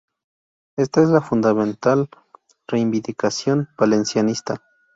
Esta es la fundamental reivindicación valencianista.